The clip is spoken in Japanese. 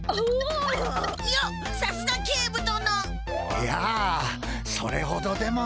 いやそれほどでも。